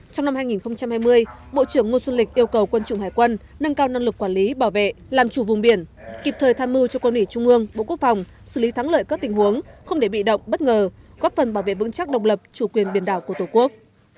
trong năm hai nghìn hai mươi bộ trưởng ngô xuân lịch yêu cầu quân chủng hải quân nâng cao năng lực quản lý bảo vệ làm chủ vùng biển kịp thời tham mưu cho quân ủy trung ương bộ quốc phòng xử lý thắng lợi các tình huống không để bị động bất ngờ góp phần bảo vệ vững chắc độc lập chủ quyền biển đảo của tổ quốc